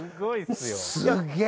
すげえ！